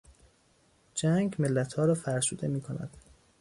جنگ ملتها را فرسوده میکند.